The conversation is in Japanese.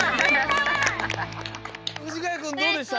藤ヶ谷くんどうでした？